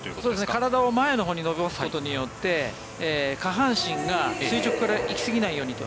体を前のほうに伸ばすことで下半身が垂直から行きすぎないようにと。